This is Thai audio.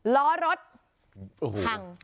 ล้อรถพัง